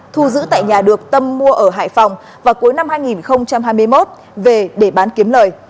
thu giữ tại nhà được tâm mua ở hải phòng vào cuối năm hai nghìn hai mươi một về để bán kiếm lời